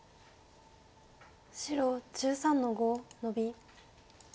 白１３の五ノビ。